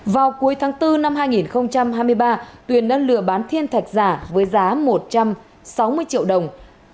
vào cuối tháng bốn năm hai nghìn hai mươi ba tuyền đã lừa bán thiên thạch giả với giá một trăm sáu mươi triệu đồng